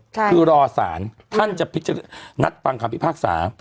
คือรอศาลท่านจะนัดฟังคำพิพากษา